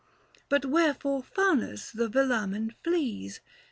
But wherefore Faunus the velamen flees